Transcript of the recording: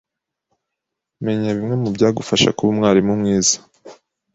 Menya Bimwe Mubyagufasha Kuba Umwalimu Mwiza